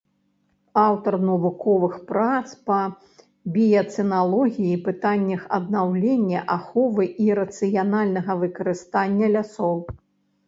Аўтар навуковых прац па біяцэналогіі, пытаннях аднаўлення, аховы і рацыянальнага выкарыстання лясоў.